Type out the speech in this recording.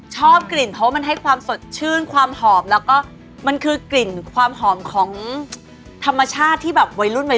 ชอบกลิ่นเพราะว่ามันให้ความสดชื่นความหอมแล้วก็มันคือกลิ่นความหอมของธรรมชาติที่แบบวัยรุ่นวัย